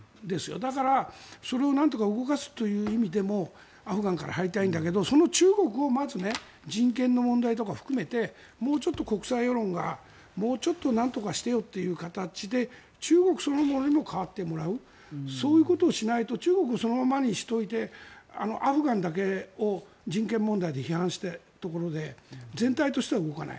だから、それをなんとか動かすという意味でもアフガンから入りたいんだけどその中国をまず人権の問題とか含めてもうちょっと国際世論がもうちょっとなんとかしてよという形で中国そのものにも変わってもらうそういうことをしないと中国をそのままにしておいてアフガンだけを人権問題で批判したところで全体としては動かない。